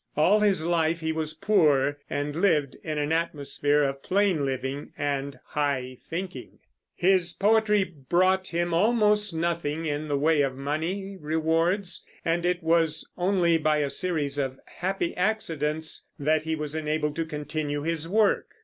All his life he was poor, and lived in an atmosphere of plain living and high thinking. His poetry brought him almost nothing in the way of money rewards, and it was only by a series of happy accidents that he was enabled to continue his work.